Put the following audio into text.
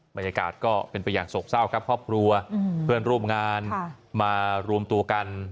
บรรยากาศก็เป็นไปอย่างโศกเศร้าครับครอบครัวเพื่อนร่วมงานมารวมตัวกัน